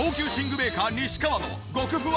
メーカー西川の極ふわ